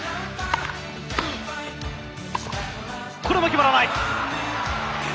これも決まらない。